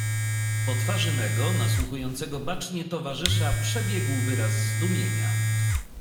"Po twarzy mego, nasłuchującego bacznie, towarzysza, przebiegł wyraz zdumienia."